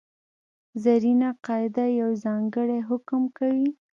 زرینه قاعده یو ځانګړی حکم کوي.